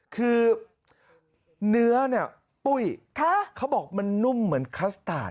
คือเนื้อเนี่ยปุ้ยเขาบอกมันนุ่มเหมือนคัสตาร์ท